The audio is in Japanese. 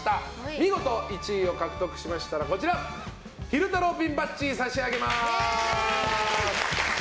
見事１位を獲得しましたら昼太郎ピンバッジを差し上げます。